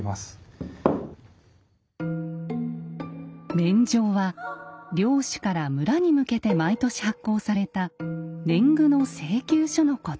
免定は領主から村に向けて毎年発行された年貢の請求書のこと。